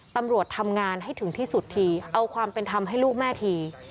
ตำรวจทำงานให้ถึงที่สุดทีเอาความเป็นธรรมให้ลูกแม่ที